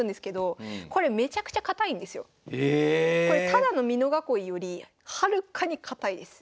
ただの美濃囲いよりはるかに堅いです。